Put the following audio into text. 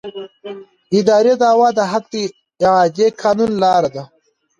اداري دعوه د حق د اعادې قانوني لاره ده.